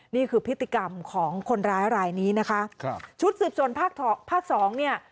นี่คือพฤติกรรมของคนร้ายรายนี้นะคะครับชุดสืบสวนภาคสองเนี่ย